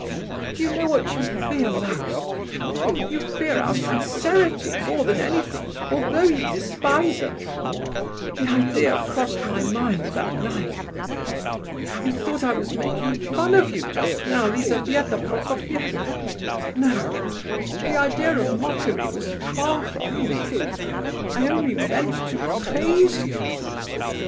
Do you know what you fear most? You fear our sincerity more than anything, although you despise us! The idea crossed my mind that night... You thought I was making fun of you just now, Lizabetha Prokofievna? No, the idea of mockery was far from me; I only meant to praise you.